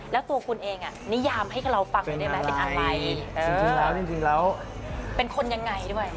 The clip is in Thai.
แล้วตัวคุณเองนิยามให้เราฟังเลยได้ไหมเป็นอะไรเป็นคนยังไงด้วย